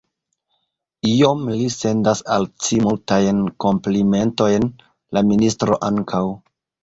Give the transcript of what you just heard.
Iom; li sendas al ci multajn komplimentojn; la ministro ankaŭ.